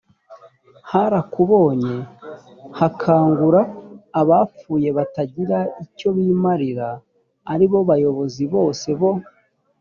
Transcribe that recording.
harakubonye hakangura abapfuye batagira icyo bimarira ari bo bayobozi bose bo